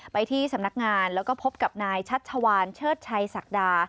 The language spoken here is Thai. ไปที่สำนักงานแล้วก็พบกับนายชัชวานเชิดชัยศักดา